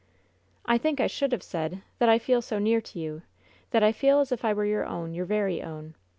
"I think I should have said, that I feel so near to you — ^that I feel as if I were your own, your very own!